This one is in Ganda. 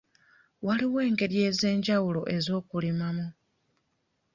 Waliwo engeri ez'enjawulo ez'okulimamu.